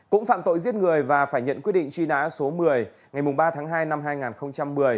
cũng phạm tội giết người và phải nhận quyết định truy nã số một mươi ngày ba tháng hai năm hai nghìn một mươi